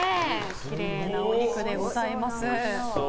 きれいなお肉でございます。